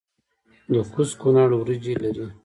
د کوز کونړ وریجې لري